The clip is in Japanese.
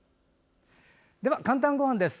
では「かんたんごはん」です。